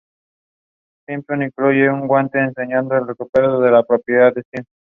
Simpson, incluyendo un guante ensangrentado recuperado en la propiedad de Simpson.